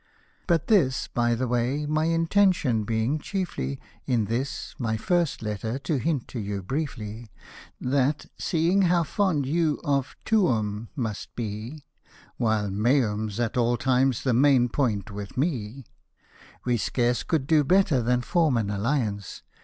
But this, by the way — my intention being chiefly In this, my first letter, to hint to you briefly. That, seeing how fond you of Ticuni must be, While Meiim^s at all times the main point with me, We scarce could do better than form an alliance.